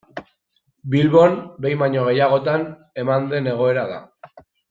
Bilbon behin baino gehiagotan eman den egoera da.